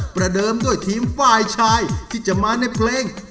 ประเดิมด้วยทีมฝ่ายชายที่จะมาในเพลง